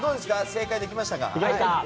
正解できましたか。